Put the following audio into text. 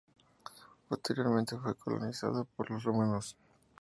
Posteriormente fue colonizada por los romanos.